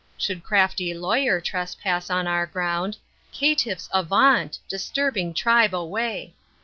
Should crafty lawyer trespass on our ground, Caitiffs avaunt! disturbing tribe away!